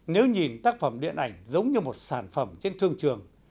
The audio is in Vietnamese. nếu nhìn tác phẩm điện ảnh giống như một sản phẩm trên thương trường